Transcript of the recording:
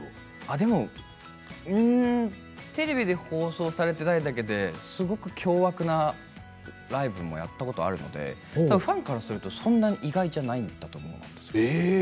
でもテレビで放送されていないだけですごく凶悪なライブもやったことがあるのでファンからするとそんなに意外じゃないと思うんですよ。